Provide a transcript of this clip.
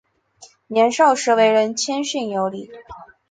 年少时为人谦逊有礼。